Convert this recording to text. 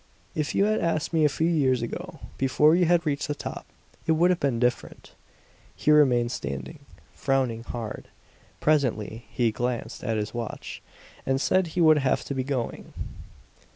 "If you had asked me a few years ago, before you had reached the top it would have been different." He remained standing, frowning hard. Presently he glanced at his watch, and said he would have to be going.